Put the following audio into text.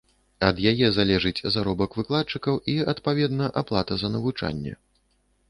Ад яе залежыць заробак выкладчыкаў і, адпаведна, аплата за навучанне.